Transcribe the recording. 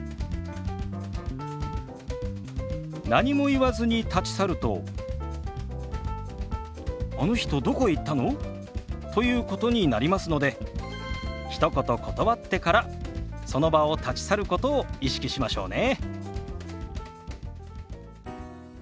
何も言わずに立ち去ると「あの人どこへ行ったの？」ということになりますのでひと言断ってからその場を立ち去ることを意識しましょうね。